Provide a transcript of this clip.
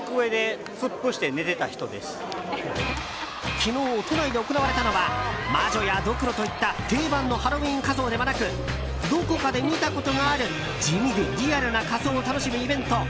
昨日、都内で行われたのは魔女やドクロといった定番のハロウィーン仮装ではなくどこかで見たことがある地味でリアルな仮装を楽しむイベント